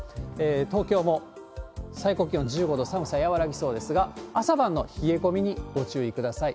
東京も最高気温１５度、寒さ和らぎそうですが、朝晩の冷え込みにご注意ください。